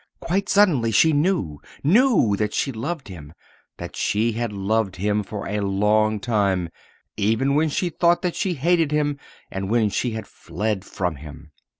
"Quite suddenly she knew knew that she loved him, that she had loved him for a long time, even when she thought that she hated him and when she had fled from him.